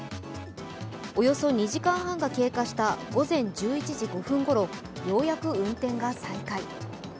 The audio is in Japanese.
およそ２時間半が経過した午前１１時５分ごろようやく運転が再開。